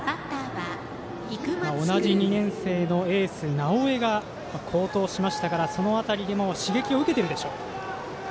同じ２年生のエース直江が好投しましたから、その辺りでも刺激を受けているでしょう。